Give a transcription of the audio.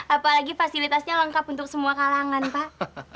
apalagi fasilitasnya lengkap untuk semua kalangan pak